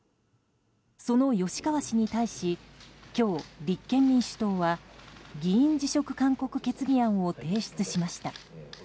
その吉川氏に対し、今日立憲民主党は議員辞職勧告決議案を提出しました。